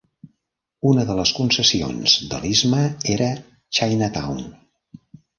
Una de les concessions de l'istme era "China Town".